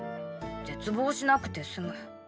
絶望しなくてすむ。